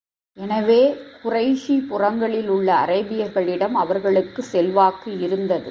எனவே, குறைஷி புறங்களிலுள்ள அரேபியர்களிடம் அவர்களுக்கு செல்வாக்கு இருந்தது.